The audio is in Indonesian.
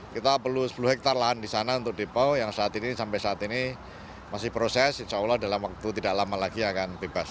kita perlu sepuluh hektare lahan di sana untuk depo yang saat ini sampai saat ini masih proses insya allah dalam waktu tidak lama lagi akan bebas